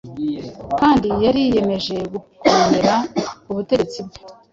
kandi yariyemeje gukomera ku butegetsi bwe.